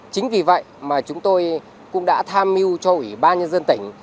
chính vì vậy mà chúng tôi cũng đã tham mưu cho ủy ban nhân dân tỉnh